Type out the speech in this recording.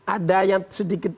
ada yang sedikit